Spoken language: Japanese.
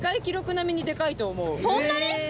そんなに！？